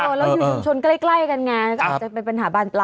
แล้วอยู่ชุมชนใกล้กันไงก็อาจจะเป็นปัญหาบานปลาย